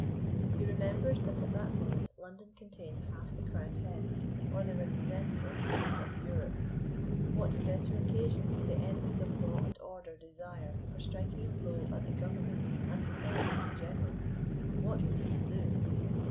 He remembered that at that moment London contained half the crowned heads, or their representatives, of Europe. What better occasion could the enemies of law and order desire for striking a blow at the Government and society in general? What was he to do?